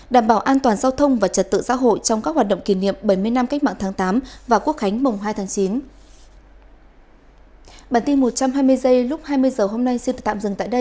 đảm bảo an toàn giao thông và trật tự xã hội trong các hoạt động kỷ niệm bảy mươi năm cách mạng tháng tám và quốc khánh mùng hai tháng chín